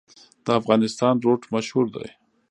د افغانستان روټ مشهور دی